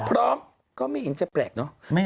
พร้อมก็ไม่เห็นจะแปลกเนอะ